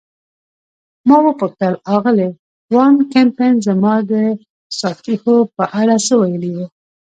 ما وپوښتل: آغلې وان کمپن زما د څاښتي خوب په اړه څه ویلي وو؟